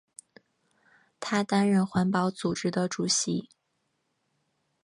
他担任环保组织的主席。